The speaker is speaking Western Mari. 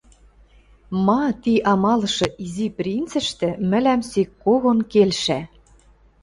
ма ти амалышы Изи принцӹштӹ мӹлӓм сек когон келшӓ